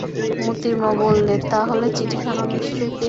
মোতির মা বললে, তা হলে চিঠিখানাও নিশ্চয় পেয়েছ।